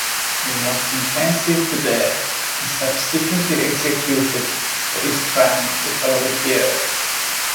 He was sentenced to death and subsequently executed for his crimes the following year.